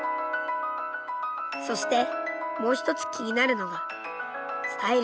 そしてもう一つ気になるのがスタイルのこと。